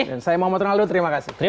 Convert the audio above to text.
dan saya mohd rengaldo terima kasih